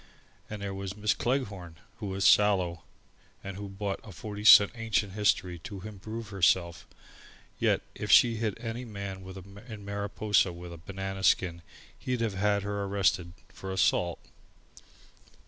And there was Miss Cleghorn, who was sallow, and who bought a forty cent Ancient History to improve herself: and yet if she'd hit any man in Mariposa with a banana skin, he'd have had her arrested for assault.